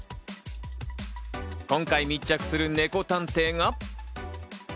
今回、密着するネコ探偵が。